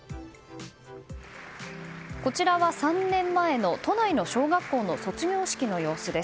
こちらは３年前の都内の小学校の卒業式の様子です。